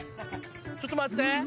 ちょっと待って。